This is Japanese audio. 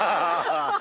ハハハ。